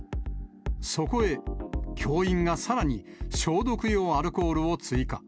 そこへ、教員がさらに消毒用アルコールを追加。